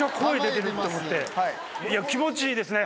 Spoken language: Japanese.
気持ちいいですね。